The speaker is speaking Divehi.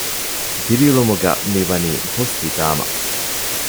ދިރިއުޅުމުގަ މިވަނީ ހުސްހިތާމަ